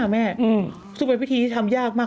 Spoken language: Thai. ๓๕๐๐๒๕๐๐แม่ซึ่งเป็นพิธีที่ทำยากมาก